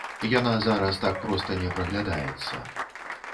Яна зараз так проста не праглядаецца.